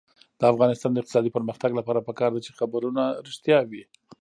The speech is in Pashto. د افغانستان د اقتصادي پرمختګ لپاره پکار ده چې خبرونه رښتیا وي.